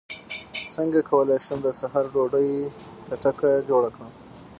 څنګه کولی شم د سحر ډوډۍ چټکه جوړه کړم